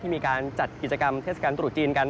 มีการจัดกิจกรรมเทศกาลตรุษจีนกัน